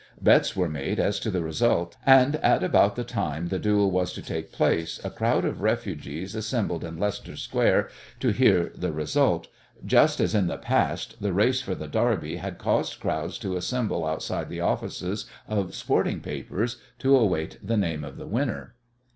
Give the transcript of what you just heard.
Bets were made as to the result, and at about the time the duel was to take place a crowd of refugees assembled in Leicester Square to hear the result, just as in the past the race for the Derby has caused crowds to assemble outside the offices of sporting papers to await the name of the winner.